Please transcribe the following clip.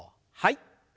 はい。